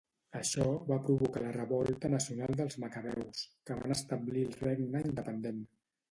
Això va provocar la revolta nacional dels macabeus, que van establir el regne independent.